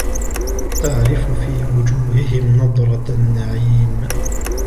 تعرف في وجوههم نضرة النعيم